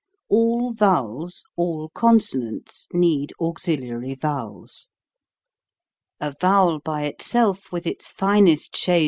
All vowels, all consonants need auxiliary vowels. A vowel by itself with its finest shades PRONUNCIATION.